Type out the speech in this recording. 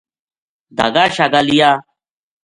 دھاگا شاگا لِیا